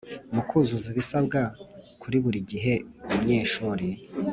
mu kuzuza ibisabwa, kuri buri gihe umunyeshuri